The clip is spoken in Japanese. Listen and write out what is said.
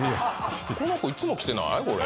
この子いつも来てない？